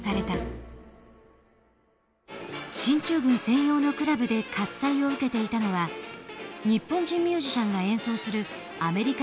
進駐軍専用のクラブで喝采を受けていたのは日本人ミュージシャンが演奏するアメリカのジャズやカントリー。